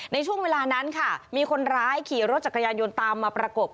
ในช่วงเวลานั้นค่ะมีคนร้ายขี่รถจักรยานยนต์ตามมาประกบ